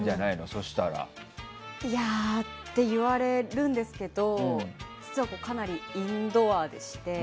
そう言われるんですけど実はかなりインドアでして。